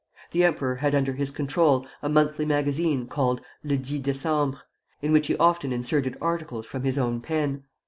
The emperor had under his control a monthly magazine called "Le Dix Décembre," in which he often inserted articles from his own pen.